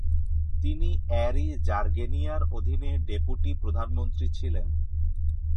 তিনি অ্যারি জার্গেনিয়ার অধীনে ডেপুটি প্রধানমন্ত্রী ছিলেন।